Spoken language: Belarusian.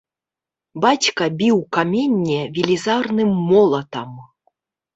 Бацька біў каменне велізарным молатам.